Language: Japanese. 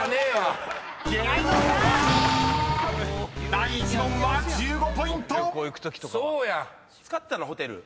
［第１問は１５ポイント！］